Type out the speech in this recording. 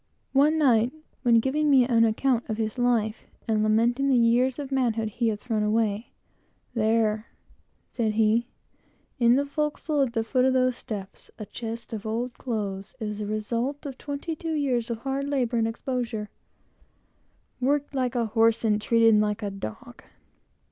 One night, when giving me an account of his life, and lamenting the years of manhood he had thrown away, he said that there, in the forecastle, at the foot of the steps a chest of old clothes was the result of twenty two years of hard labor and exposure worked like a horse, and treated like a dog.